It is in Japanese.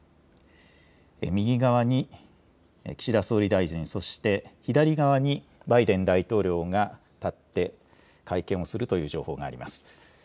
右側に岸田総理大臣、そして左側にバイデン大統領が立って、会見をするという情報があります。